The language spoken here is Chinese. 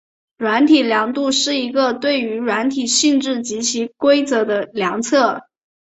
软体度量是一个对于软体性质及其规格的量测。